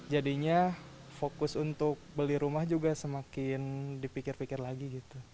jadinya fokus untuk beli rumah juga semakin dipikir pikir lagi gitu